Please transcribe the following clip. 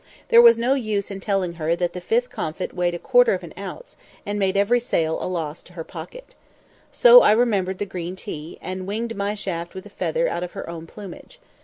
There was no use in telling her that the fifth comfit weighed a quarter of an ounce, and made every sale into a loss to her pocket. So I remembered the green tea, and winged my shaft with a feather out of her own plumage.